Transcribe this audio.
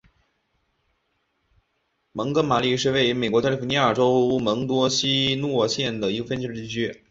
蒙哥马利是位于美国加利福尼亚州门多西诺县的一个非建制地区。